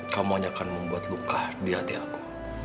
kamu hanya akan membuat gukah di hati aku